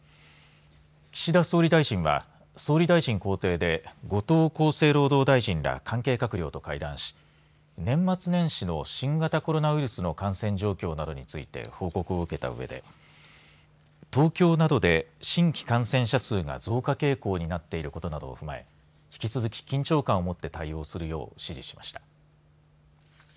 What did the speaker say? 岸田総理大臣は総理大臣公邸で後藤厚生労働大臣ら関係閣僚と会談し年末年始の新型コロナウイルスの感染状況などについて報告を受けたうえで東京などで新規感染者数が増加傾向になっていることも踏まえ引き続き緊張感をもって対応するよう指示しました。